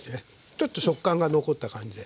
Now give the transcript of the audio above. ちょっと食感が残った感じで。